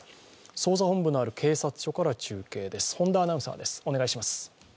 捜査本部のある警察署から中継です。